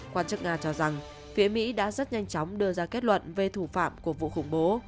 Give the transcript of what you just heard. quan chức nga cho rằng phía mỹ đã rất nhanh chóng đưa ra kết luận về thủ phạm của vụ khủng bố